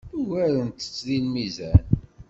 Ugarent-t deg lmizan.